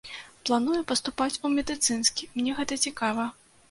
Планую паступаць у медыцынскі, мне гэта цікава.